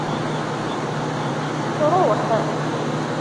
Truḥ.